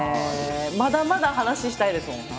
まだまだ話したいですもん何か。